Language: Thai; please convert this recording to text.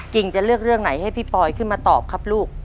จะเลือกเรื่องไหนให้พี่ปอยขึ้นมาตอบครับลูก